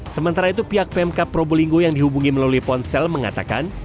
sementara itu pihak pemkap probolinggo yang dihubungi melalui ponsel mengatakan